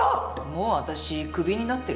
もう私クビになってるし。